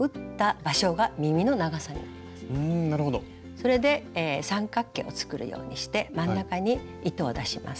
それで三角形を作るようにして真ん中に糸を出します。